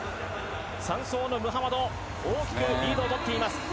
３走のムハマドが大きくリードを保っています。